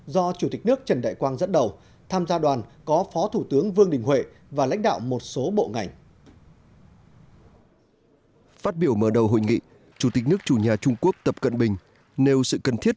do chủ tịch nước trần đại quang dẫn đầu tham gia đoàn có phó thủ tướng vương đình huệ và lãnh đạo một số bộ ngành